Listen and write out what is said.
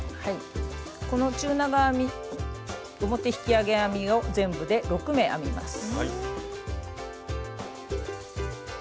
この中長編み表引き上げ編みを全部で６目編みます。